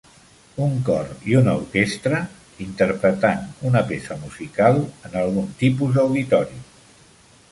Un cor i una orquestra interpretant una peça musical en algun tipus d'auditori